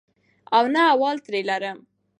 او نه احوال ترې لرم.